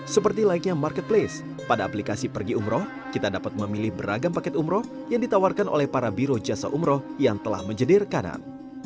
seperti layaknya marketplace pada aplikasi pergi umroh kita dapat memilih beragam paket umroh yang ditawarkan oleh para biro jasa umroh yang telah menjedir kanan